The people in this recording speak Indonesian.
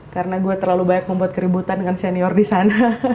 karena gue terlalu banyak membuat keributan dengan senior di sana